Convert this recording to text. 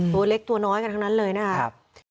ตัวเล็กตัวน้อยกันทั้งนั้นเลยนะครับ